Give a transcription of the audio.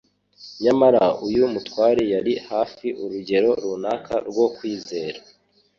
Nyamara uyu mutware yari afite urugero runaka rwo kwizera;